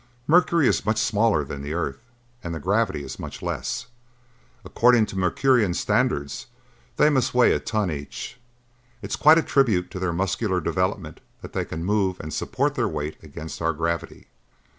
Mercury is much smaller than the earth and the gravity is much less. According to Mercurian standards, they must weigh a ton each. It is quite a tribute to their muscular development that they can move and support their weight against our gravity.